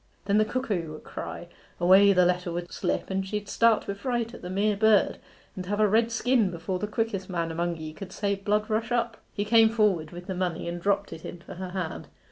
Then the cuckoo would cry away the letter would slip, and she'd start wi' fright at the mere bird, and have a red skin before the quickest man among ye could say, "Blood rush up."' He came forward with the money and dropped it into her hand.